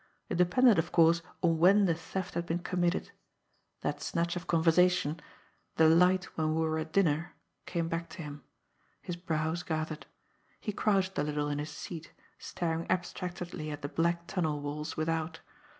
It depended, of course, on when the theft had been committed. That snatch of conversation "the light ... when we were at dinner" came back to him. His brows gathered. He crouched a little in his seat, staring abstractedly at the black tunnel walls without.